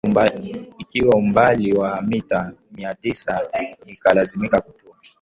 ikiwa umbali wa mita miatisa Nikalazimika kutua